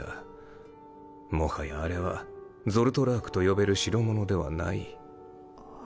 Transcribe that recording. もはやあれは人を殺す魔法と呼べる代物ではない。